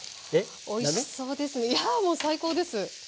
いやもう最高です！